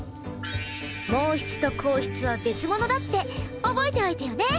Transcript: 毛筆と硬筆は別物だって覚えておいてよね！